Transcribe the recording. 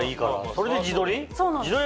それで自撮り？